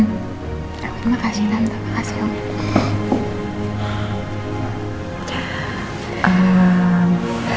terima kasih tante terima kasih om